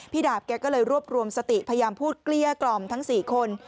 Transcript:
ดาบแกก็เลยรวบรวมสติพยายามพูดเกลี้ยกล่อมทั้ง๔คน